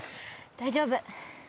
大丈夫。